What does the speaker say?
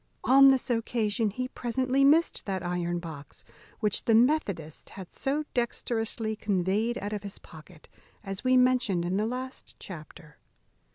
On this occasion he presently missed that iron box which the methodist had so dexterously conveyed out of his pocket, as we mentioned in the last chapter.